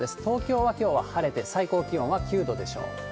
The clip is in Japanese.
東京はきょうは晴れて最高気温は９度でしょう。